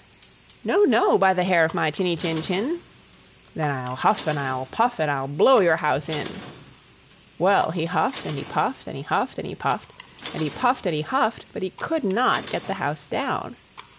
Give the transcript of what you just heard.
"No, no, by the hair of my chinny chin chin." "Then I'll huff and I'll puff, and I'll blow your house in." Well, he huffed and he puffed, and he huffed and he puffed, and he puffed and he huffed; but he could not get the house down.